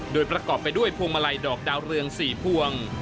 โดยประกอบไปด้วยพวงมาลัยดอกดาวเรือง๔พวง